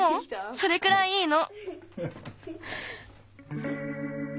それくらいいいの。